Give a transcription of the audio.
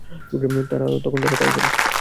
তখন তারা তাই করে।